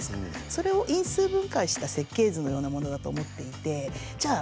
それを因数分解した設計図のようなものだと思っていてじゃあ